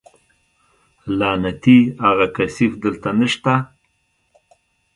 لعنتي اغه کثيف دلته نشته.